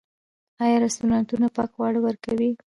آیا رستورانتونه پاک خواړه ورکوي؟